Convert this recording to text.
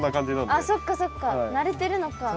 あっそっかそっか慣れてるのか。